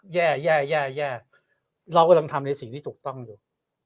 แย่เรากำลังทำในสิ่งที่ถูกต้องเลย